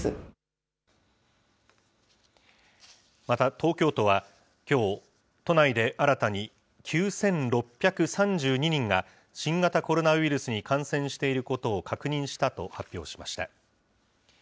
また、東京都はきょう都内で新たに９６３２人が新型コロナウイルスに感染していることを確認したと発表しました。